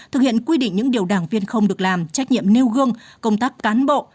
thực hiện quy định những điều đảng viên không được làm trách nhiệm nêu gương công tác cán bộ